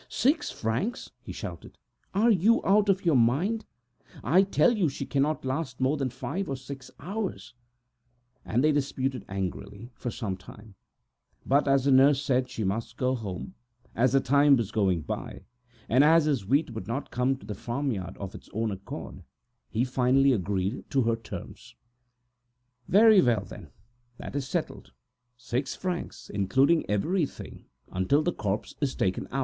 six francs!" he shouted. "Are you out of your mind? I tell you that she cannot last more than five or six hours!" And they disputed angrily for some time, but as the nurse said she would go home, as the time was slipping away, and as his wheat would not come to the farmyard of its own accord, he agreed to her terms at last: "Very well, then, that is settled; six francs including everything, until the corpse is taken out."